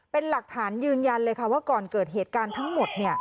เป็นหลักฐานยืนยันเลยค่ะว่าก่อนเกิดเหตุการณ์ทั้งหมด